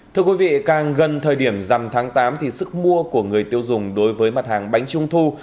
thưa quý vị càng gần thời điểm dằm tháng tám thì sức mua của người tiêu dùng đối với mặt hàng bánh trung thu